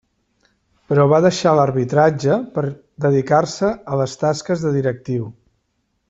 Però va deixar l'arbitratge per dedicar-se a les tasques de directiu.